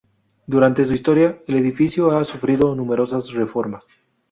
Durante su historia, el edificio ha sufrido numerosas reformas.